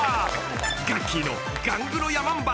［ガッキーのガングロヤマンバ